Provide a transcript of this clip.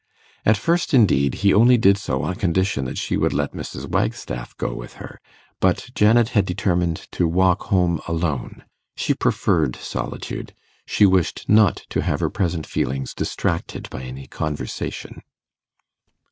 At first, indeed, he only did so on condition that she would let Mrs. Wagstaff go with her; but Janet had determined to walk home alone. She preferred solitude; she wished not to have her present feelings distracted by any conversation.